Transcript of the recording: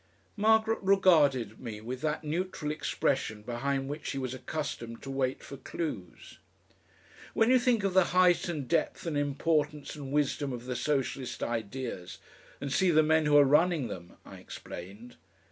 Margaret regarded me with that neutral expression behind which she was accustomed to wait for clues. "When you think of the height and depth and importance and wisdom of the Socialist ideas, and see the men who are running them," I explained....